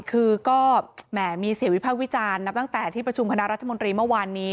คือก็แหมมีเสียงวิพากษ์วิจารณ์นับตั้งแต่ที่ประชุมคณะรัฐมนตรีเมื่อวานนี้